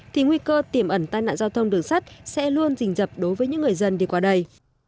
thì nguy cơ tìm ẩn tai nạn giao thông đường sắt sẽ luôn dình dập đối với những người dân đi qua đây